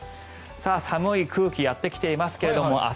寒い空気がやってきていますが明日